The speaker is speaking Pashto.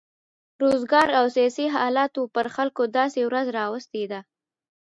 روزګار او سیاسي حالاتو پر خلکو داسې ورځ راوستې ده.